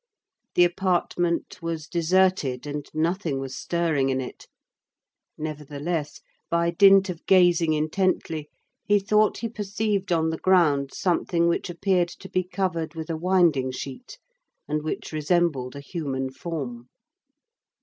The apartment was deserted, and nothing was stirring in it. Nevertheless, by dint of gazing intently he thought he perceived on the ground something which appeared to be covered with a winding sheet, and which resembled a human form.